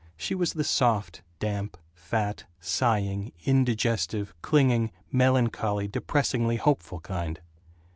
She was the soft, damp, fat, sighing, indigestive, clinging, melancholy, depressingly hopeful kind.